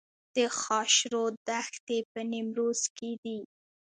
د خاشرود دښتې په نیمروز کې دي